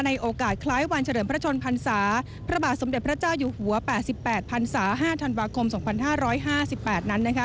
โอกาสคล้ายวันเฉลิมพระชนพรรษาพระบาทสมเด็จพระเจ้าอยู่หัว๘๘พันศา๕ธันวาคม๒๕๕๘นั้นนะคะ